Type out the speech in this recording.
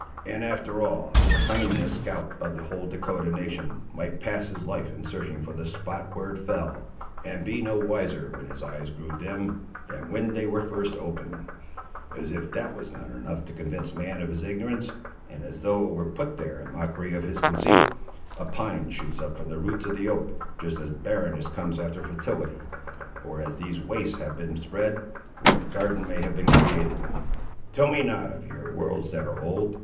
and after all, the cunningest scout of the whole Dahcotah nation might pass his life in searching for the spot where it fell, and be no wiser when his eyes grew dim, than when they were first opened. As if that was not enough to convince man of his ignorance; and as though it were put there in mockery of his conceit, a pine shoots up from the roots of the oak, just as barrenness comes after fertility, or as these wastes have been spread, where a garden may have been created. Tell me not of your worlds that are old!